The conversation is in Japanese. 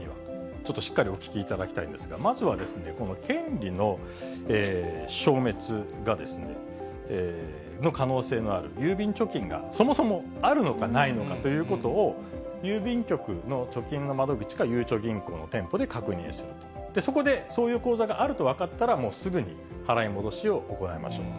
ちょっとしっかりお聞きいただきたいんですが、まずはこの権利の消滅が、の可能性のある郵便貯金がそもそもあるのかないのかということを、郵便局の貯金の窓口かゆうちょ銀行の店舗で確認すると、そこでそういう口座があると分かったら、もう、すぐに払い戻しを行いましょうと。